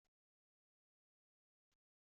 Ttisinɣ hat inn ur d s tidt.